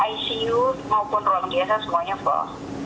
icu maupun ruang biasa semuanya full